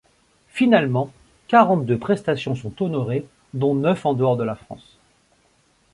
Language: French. Finalement, quarante-deux prestations sont honorées, dont neuf en dehors de la France.